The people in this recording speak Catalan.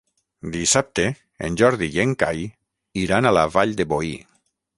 Dissabte en Jordi i en Cai iran a la Vall de Boí.